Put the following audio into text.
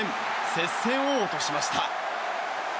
接戦を落としました。